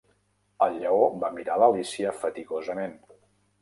El lleó va mirar a l'Alícia fatigosament.